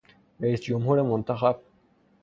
رییس جمهور منتخب